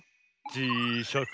じしゃく